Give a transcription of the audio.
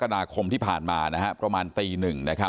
กรดาคมที่ผ่านมานะฮะกระมานตีหนึ่งนะครับ